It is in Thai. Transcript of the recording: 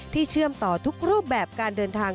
เชื่อมต่อทุกรูปแบบการเดินทาง